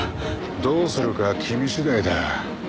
どうするかは君次第だ。